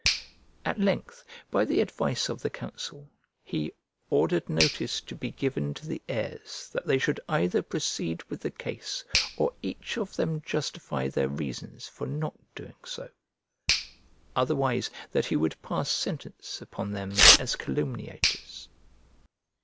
At length, by the advice of the counsel, he 'ordered notice to be given to the heirs that they should either proceed with the case or each of them justify their reasons for not doing so; otherwise that he would pass sentence upon them as calumniators.